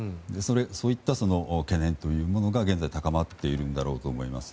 そういった懸念というものが現在高まっているんだろうと思います。